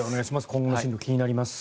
今後の進路、気になります。